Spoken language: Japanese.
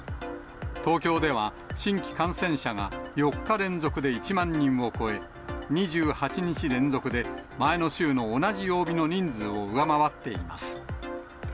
東京では、新規感染者が４日連続で１万人を超え、２８日連続で前の週の同じ曜日の人数を上回っています。